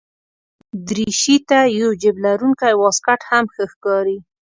دریشي ته یو جېب لرونکی واسکټ هم ښه ښکاري.